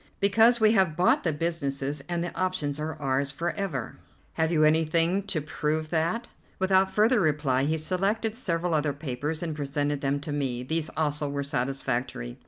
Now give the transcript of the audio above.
"Because we have bought the businesses and the options are ours for ever." "Have you anything to prove that?" Without further reply he selected several other papers and presented them to me. These also were satisfactory.